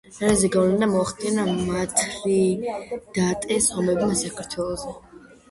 რა ზეგავლენა მოახდინა მითრიდატეს ომებმა საქართველოზე?